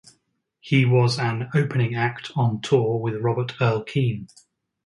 He was as an opening act on tour with Robert Earl Keen.